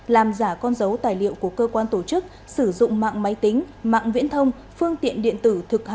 làm giả con dấu tài liệu của cơ quan tổ chức sử dụng mạng máy tính mạng viễn thông phương tiện điện tử thực hà